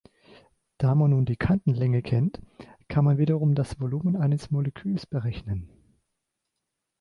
Da man nun die Kantenlänge kennt, kann man wiederum das Volumen eines Moleküls berechnen.